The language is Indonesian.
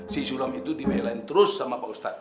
si suram itu dibelain terus sama pak ustadz